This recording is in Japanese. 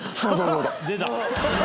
「出た！